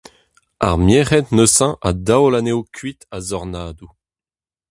Ar merc'hed neuze a daol anezho kuit a-zornadoù.